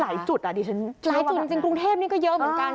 จุดอ่ะดิฉันหลายจุดจริงกรุงเทพนี่ก็เยอะเหมือนกัน